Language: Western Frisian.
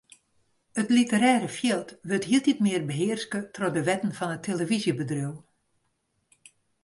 It literêre fjild wurdt hieltyd mear behearske troch de wetten fan it telefyzjebedriuw.